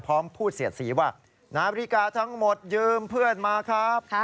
พร้อมพูดเสียดสีว่านาฬิกาทั้งหมดยืมเพื่อนมาครับ